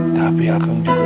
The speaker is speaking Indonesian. tapi akang juga